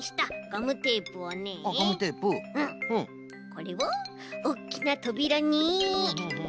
これをおっきなとびらに。